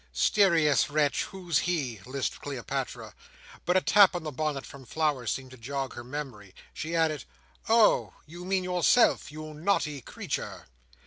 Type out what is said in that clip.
"Sterious wretch, who's he?" lisped Cleopatra. But a tap on the bonnet from Flowers seeming to jog her memory, she added, "Oh! You mean yourself, you naughty creature!"